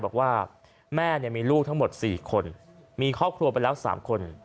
บอกว่าแม่มีลูกทั้งหมด๔คนมีครอบครัวไปแล้ว๓คน